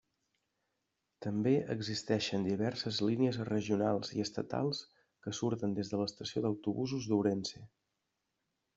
També existeixen diverses línies regionals i estatals que surten des de l'estació d'autobusos d'Ourense.